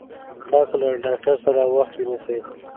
تاسو له ډاکټر سره وخت ونيسي